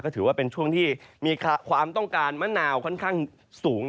ถือว่าเป็นช่วงที่มีความต้องการมะนาวค่อนข้างสูง